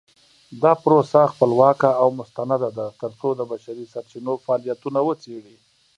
دا پروسه خپلواکه او مستنده ده ترڅو د بشري سرچینو فعالیتونه وڅیړي.